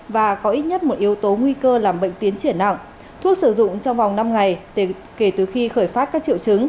và có ít nhất một yếu tố nguy cơ làm bệnh tiến triển nặng thuốc sử dụng trong vòng năm ngày kể từ khi khởi phát các triệu chứng